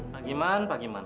pak giman pak giman